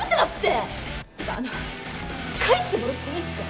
あの帰ってもらっていいっすか？